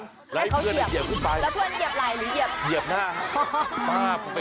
อยากให้เพื่อนเหยียบอีกไหมเหยียบจะได้กลับไง